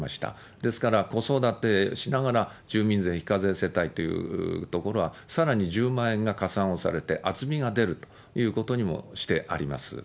ですから、子育てしながら住民税非課税世帯というところはさらに１０万円が加算をされて、厚みが出るということにもしてあります。